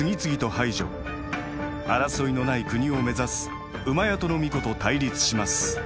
争いのない国を目指す戸皇子と対立します。